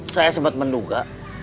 saya sempat menduga